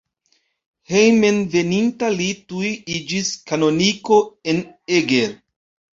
Hejmenveninta li tuj iĝis kanoniko en Eger.